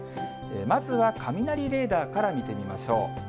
まずは雷レーダーから見てみましょう。